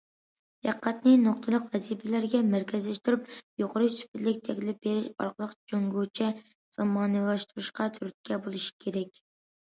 دىققەتنى نۇقتىلىق ۋەزىپىلەرگە مەركەزلەشتۈرۈپ، يۇقىرى سۈپەتلىك تەكلىپ بېرىش ئارقىلىق جۇڭگوچە زامانىۋىلاشتۇرۇشقا تۈرتكە بولۇشى كېرەك.